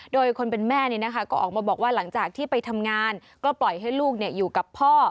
โดยคนเป็นแม่ก็ออกมาบอกว่าหลังจากที่ไปทำงานก็ปล่อยให้ลูกอยู่กับพ่อ